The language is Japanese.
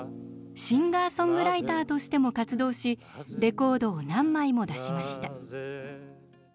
シンガーソングライターとしても活動しレコードを何枚も出しました。